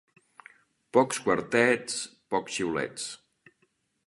Pocs quartets, pocs xiulets.